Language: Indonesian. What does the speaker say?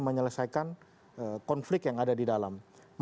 menyelesaikan konflik yang ada di dalam